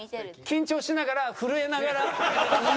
緊張しながら震えながら。